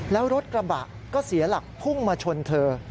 แล้วรถกระบะก็เสียหลักพุ่งมาชนเธอ